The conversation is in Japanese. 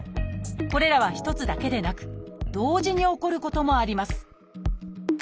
これらは一つだけでなく同時に起こることもあります